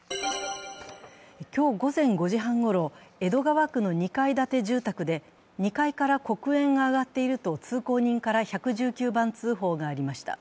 今日午前５時半ごろ、江戸川区の２階建て住宅で２階から黒煙が上がっていると通行人から１１９番通報がありました。